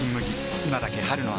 今だけ春の味